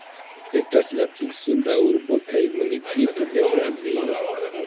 Estas la pli suda urbo kaj municipo de Brazilo.